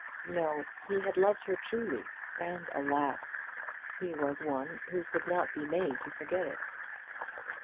No; he had loved her truly, and alas! he was one who could not be made to forget it.